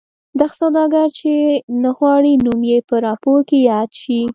دغه سوداګر چې نه غواړي نوم یې په راپور کې یاد شي.